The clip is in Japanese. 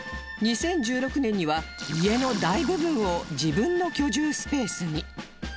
２０１６年には家の大部分を自分の居住スペースに